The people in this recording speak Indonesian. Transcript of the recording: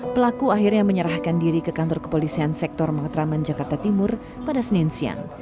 pelaku akhirnya menyerahkan diri ke kantor kepolisian sektor matraman jakarta timur pada senin siang